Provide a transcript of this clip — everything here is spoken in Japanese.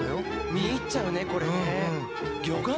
見入っちゃうね、これね。